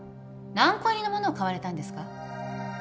何個入りのものを買われたんですか？